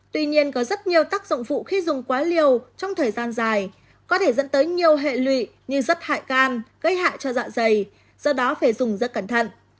tuy nhiên có rất nhiều tác dụng phụ khi dùng quá liều trong thời gian dài có thể dẫn tới nhiều hệ lụy như rắc hại can gây hại cho dạ dày do đó phải dùng rất cẩn thận